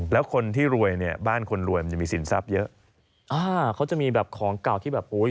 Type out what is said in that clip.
แล้วคนที่รวยเนี่ยบ้านคนรวยมันจะมีสินทรัพย์เยอะอ่าเขาจะมีแบบของเก่าที่แบบโอ้ย